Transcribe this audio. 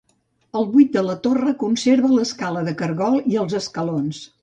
El buit de la torre conserva l'escala de caragol i els escalons.